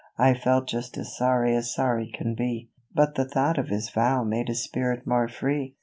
I feel just as sorry as sorry can be ;" But the thought of his vow made his spirit more free.